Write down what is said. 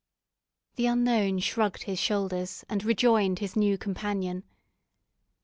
The unknown shrugged his shoulders, and rejoined his new companion.